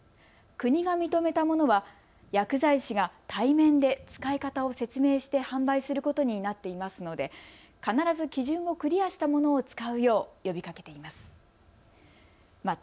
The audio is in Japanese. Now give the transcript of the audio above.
国が認めたものは薬剤師が対面で使い方を説明して販売することになっていますので必ず基準をクリアしたものを使うよう呼びかけています。